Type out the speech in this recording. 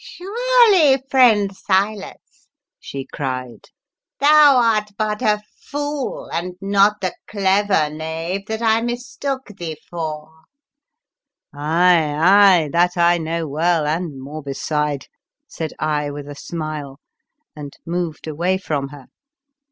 " Surely, friend Silas," she cried, " thou art but a fool, and not the clever knave that I mistook thee for!" '' Aye, aye, that I know well, and more beside, '' said I with a smile, and moved away from her.